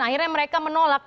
akhirnya mereka menolak